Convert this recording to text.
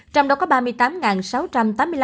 trong đó có bệnh nhân trường hợp bệnh viện bệnh viện